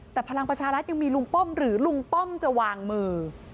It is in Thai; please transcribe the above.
แต่พลังประชารัฐยังมีลุงป้อมหรือลุงป้อมจะวางมือ